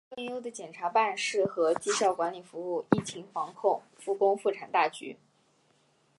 以更优的检察办案和绩效管理服务疫情防控、复工复产大局